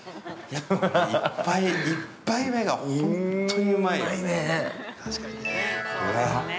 １杯目が本当にうまいですね。